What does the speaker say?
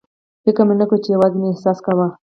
فکر مې نه کاوه، یوازې مې احساس کاوه.